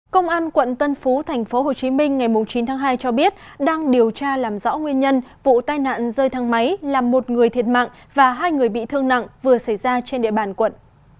công an quận tân phú tp hcm ngày chín tháng hai cho biết đang điều tra làm rõ nguyên nhân vụ tai nạn rơi thang máy làm một người thiệt mạng và hai người bị thương nặng vừa xảy ra trên địa bàn quận